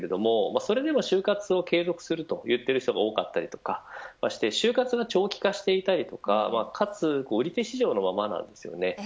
それでも就活を継続すると言っている方が多かったり就活が長期化していたりかつ、売り手市場のままになっています。